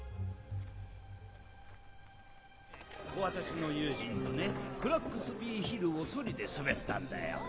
私の友人とねクラックスビーヒルをソリで滑ったんだよ